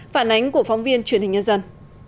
phản ánh của phóng viên truyền hình nhân dân